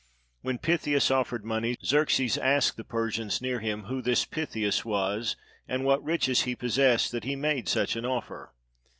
When Pythius ofifered money, Xerxes asked the Persians near him who this Pythius was, and what riches he possessed, that he made such an offer.